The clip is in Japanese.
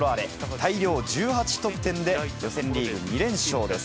大量１８得点で、予選リーグ２連勝です。